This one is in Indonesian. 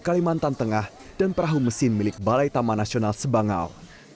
kalimantan tengah dan perahu mesin milik balai taman nasional sebangau